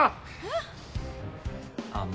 えっ？